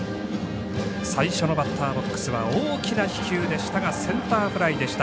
最初のバッターボックスは大きな飛球でしたがセンターフライでした。